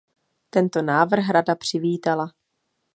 Tento návrh Rada přivítala.